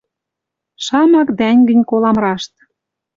Шамак дӓнгӹнь колам рашт: